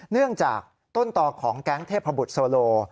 เนื่องจากต้นต่อของแก๊งเทพบุตรโซโล